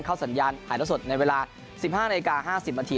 เข้าสัญญาณหายละสดในเวลา๑๕นาที๕๐นาที